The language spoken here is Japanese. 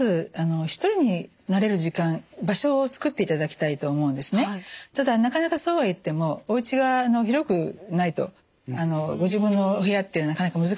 ただなかなかそうはいってもおうちが広くないとご自分のお部屋ってなかなか難しいと思うんですね。